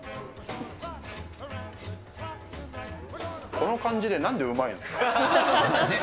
この感じで、なんでうまいんですか？